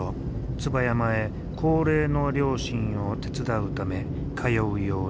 椿山へ高齢の両親を手伝うため通うようになった。